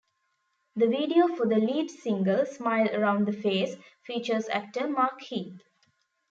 The video for the lead single, "Smile Around the Face", features actor Mark Heap.